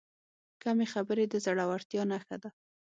کمې خبرې، د زړورتیا نښه ده.